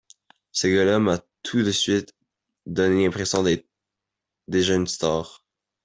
Ce gars-là m'a tout de suite donné l'impression d'être déjà une star.